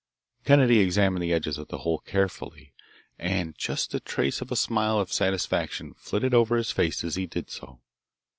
Kennedy examined the edges of the hole carefully, and just the trace of a smile of satisfaction flitted over his face as he did so.